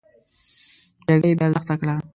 جرګه يې بې ارزښته کړه.